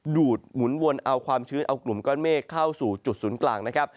ดูดหมุนวนเอาความชื้นเอากลุ่มก้อนเมฆเข้าสู่จุดศูนย์กลางนะครับ